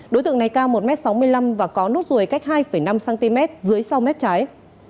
đối tượng này cao một m sáu mươi năm và có nốt ruồi cách hai năm cm dưới sau mép trái